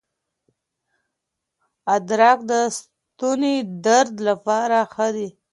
ادرک د ستوني درد لپاره ښه دی.